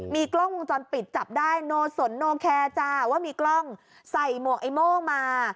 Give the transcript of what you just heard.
มีกล้องวงจรปิดจับได้โนสนโนแคร์จ้าว่ามีกล้องใส่หมวกไอ้โม่งมา